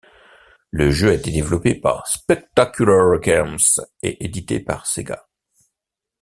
Le jeu a été développé par Spectacular Games et édité par Sega.